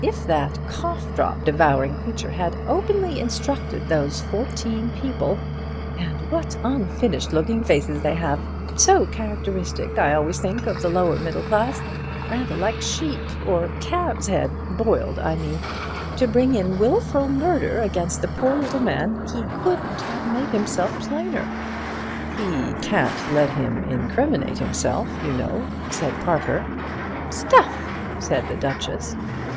"If that cough drop devouring creature had openly instructed those fourteen people—and what unfinished looking faces they have—so characteristic, I always think, of the lower middle class, rather like sheep, or calves' head (boiled, I mean), to bring in wilful murder against the poor little man, he couldn't have made himself plainer." "He can't let him incriminate himself, you know," said Parker. "Stuff!" said the Duchess.